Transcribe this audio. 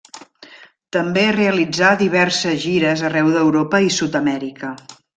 També realitzà diverses gires arreu d'Europa i Sud-amèrica.